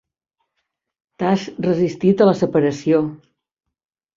T'has resistit a la separació.